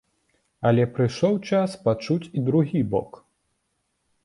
Але прыйшоў час пачуць і другі бок.